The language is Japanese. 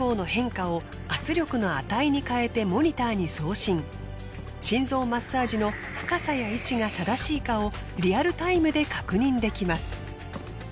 使われているのが心臓マッサージの深さや位置が正しいかをリアルタイムで確認できます。